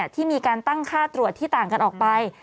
ที่มีการตั้งค่าตรวจที่ต่างกันออกไป